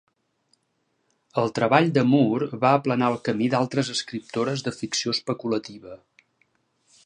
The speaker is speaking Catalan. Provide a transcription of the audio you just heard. El treball de Moore va aplanar el camí d'altres escriptores de ficció especulativa.